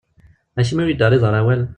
Acimi ur iyi-d-terriḍ ara awal?